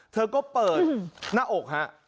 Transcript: เธอก็เปิดหน้าอกหอนั่น